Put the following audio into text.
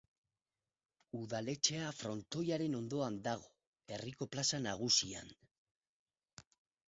Udaletxea frontoiaren ondoan dago, herriko plaza nagusian.